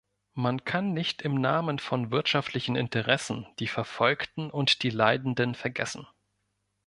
Man kann nicht im Namen von wirtschaftlichen Interessen die Verfolgten und die Leidenden vergessen.